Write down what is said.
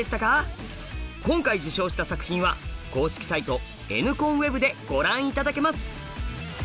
今回受賞した作品は公式サイト「ＮコンＷＥＢ」でご覧頂けます。